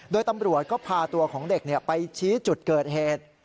โดยตำรวจก็พาตัวของเด็กไปชี้จุดเกิดเหตุ